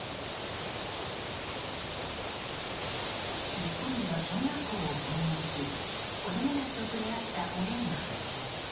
日本では小学校を訪問し子供たちと触れ合ったオレーナ夫人。